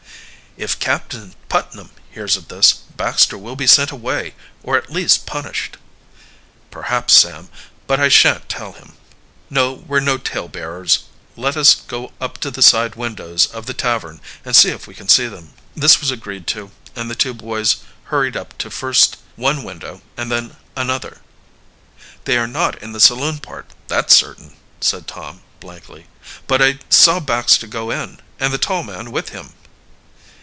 "If Captain Putnam hears of this, Baxter will be sent away, or at least punished." "Perhaps, Sam; but I shan't tell him." "No; we're no tale bearers. Let us go up to the side windows of the tavern and see if we can see them." This was agreed to, and the two boys hurried up to first one window and then another. "They are not in the saloon part, that's certain," said Tom blankly. "But I saw Baxter go in, and the tall man with him."